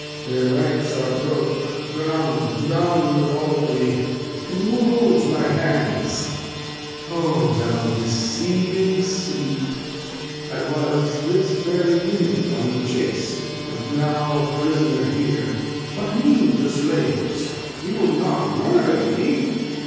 Their Ranks are broke, down with Albany. Who holds my Hands ? O thou deceiving Sleep, 1 was this very Minute on the Chace ; Act v] King Lear 249 And now a Prisoner here. What mean the Slaves ? You will not murder me